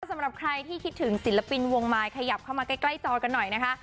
สำหรับใครที่คิดถึงศิลปินวงมายขยับเข้ามาใกล้จอกันหน่อยนะคะ